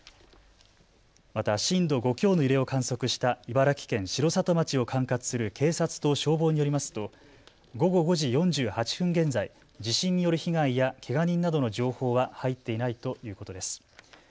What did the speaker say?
また震度５強の揺れを観測した茨城県城里町を管轄する警察と消防によりますと午後５時４８分現在、地震による被害やけが人などの情報は入っていないということです。